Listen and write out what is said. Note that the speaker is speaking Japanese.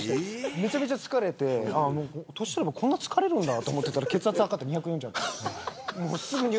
めちゃくちゃ疲れていて年取るとこんなに疲れるんだと思ったら血圧、測ったら２４０あった。